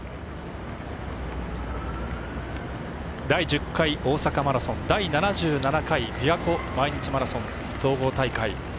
第１０回大阪マラソン第７７回びわ湖毎日マラソン統合大会。